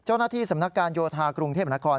เจ้าหน้าที่สำนักการโยธากรุงเทพนคร